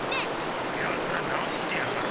ヤツら何してやがる？